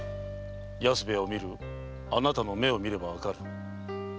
安兵衛を見るあなたの目を見ればわかる。